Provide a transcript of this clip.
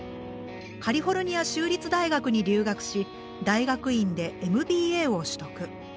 カリフォルニア州立大学に留学し大学院でＭＢＡを取得。